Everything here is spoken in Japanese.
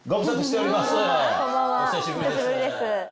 お久しぶりです。